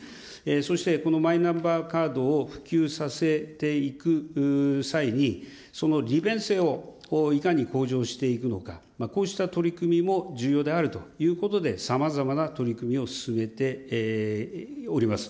そしてこのマイナンバーカードを普及させていく際に、その利便性をいかに向上していくのか、こうした取り組みも重要であるということで、さまざまな取り組みを進めております。